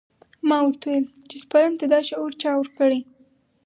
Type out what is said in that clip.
ما ورته وويل چې سپرم ته دا شعور چا ورکړى.